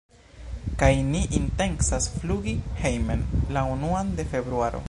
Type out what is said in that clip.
kaj ni intencas flugi hejmen la unuan de februaro.